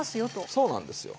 そうなんですよ。